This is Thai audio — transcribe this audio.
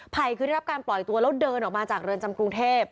คือได้รับการปล่อยตัวแล้วเดินออกมาจากเรือนจำกรุงเทพ